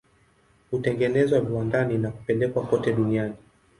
Hutengenezwa viwandani na kupelekwa kote duniani.